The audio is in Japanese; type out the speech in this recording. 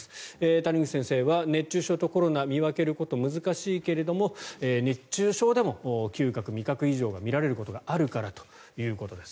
谷口先生は熱中症とコロナは見分けることが難しいけれども熱中症でも嗅覚・味覚異常がみられることがあるからということです。